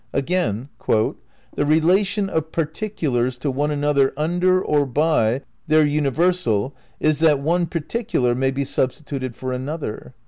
Again : "the relation of particulars to one another under or by their universal is that one particular may be substituted for another."